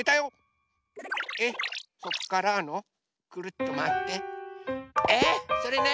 えっそっからのくるっとまわってえ⁉それね。